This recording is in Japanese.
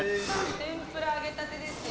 天ぷら揚げたてですよ